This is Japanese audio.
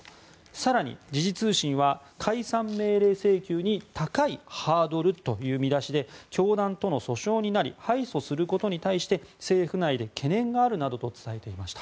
更に、時事通信は「解散命令請求に高いハードル」という見出しで教団との訴訟になり敗訴することに対して政府内で懸念があるなどと伝えていました。